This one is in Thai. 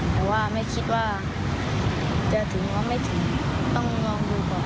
แต่ว่าไม่คิดว่าจะถึงว่าไม่ถึงต้องลองดูก่อน